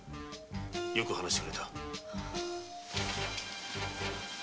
よく話してくれた。